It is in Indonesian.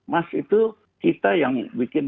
mas itu kita yang bikin